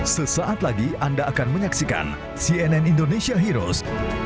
sesaat lagi anda akan menyaksikan cnn indonesia heroes